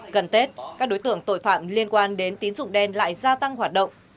gần tết các đối tượng tội phạm liên quan đến tín dụng đen lại gia tăng hoạt động